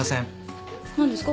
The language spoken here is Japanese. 何ですか？